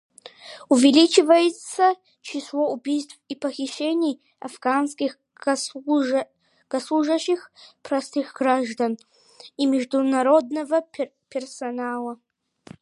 Увеличивается число убийств и похищений афганских госслужащих, простых граждан и международного персонала.